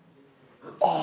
ああ！